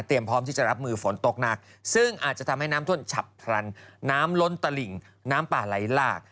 พร้อมที่จะรับมือฝนตกหนักซึ่งอาจจะทำให้น้ำท่วมฉับพลันน้ำล้นตลิ่งน้ำป่าไหลหลาก